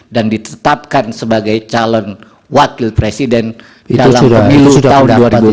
dan ditetapkan sebagai calon wakil presiden dalam pemilu tahun dua ribu empat